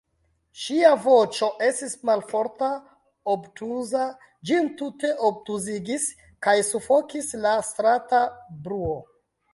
Ŝia voĉo estis malforta, obtuza; ĝin tute obtuzigis kaj sufokis la strata bruo.